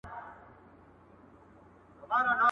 په تېرو اوبو پسي چا يوم نه وي اخستی.